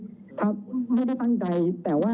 เรามีการปิดบันทึกจับกลุ่มเขาหรือหลังเกิดเหตุแล้วเนี่ย